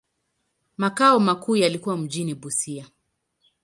Makao makuu yalikuwa mjini Busia.